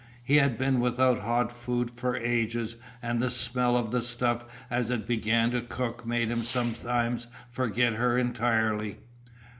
He had been without hot food for ages and the smell of the stuff as it began to cook made him sometimes forget her entirely.